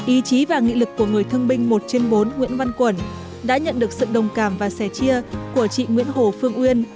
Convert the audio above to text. ý chí và nghị lực của người thương binh một trên bốn nguyễn văn quẩn đã nhận được sự đồng cảm và sẻ chia của chị nguyễn hồ phương uyên